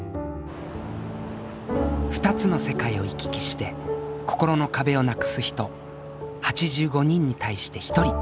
２つの世界を行き来して心の壁をなくす人８５人に対して１人。